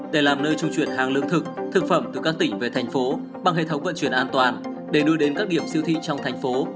để làm nơi trung chuyển hàng lương thực thực phẩm từ các tỉnh về thành phố bằng hệ thống vận chuyển an toàn để đưa đến các điểm siêu thị trong thành phố